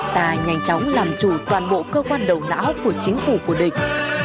ta nhanh chóng làm chủ toàn bộ cơ quan đầu não của chính phủ của địch